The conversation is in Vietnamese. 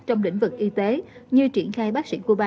trong lĩnh vực y tế như triển khai bác sĩ cuba